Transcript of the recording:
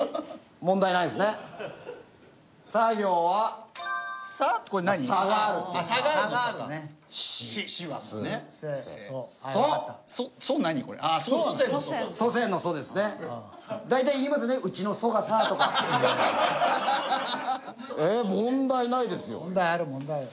問題ある問題ある。